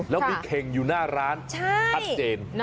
แล้วมีเข่งอยู่หน้าร้านชัดเจน